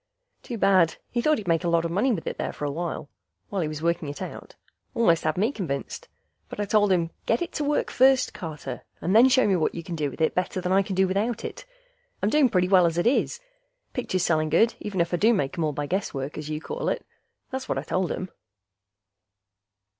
Too bad; he thought he'd make a lot of money with it there for awhile, while he was working it out. Almost had me convinced, but I told him, "Get it to working first, Carter, and then show me what you can do with it better than I can do without it. I'm doing pretty well as is ... pictures selling good, even if I do make 'em all by guesswork, as you call it." That's what I told him.